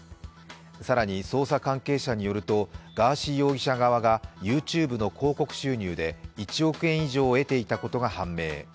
更に捜査関係者によるとガーシー容疑者側がＹｏｕＴｕｂｅの広告収入で１億円以上を得ていたことが判明。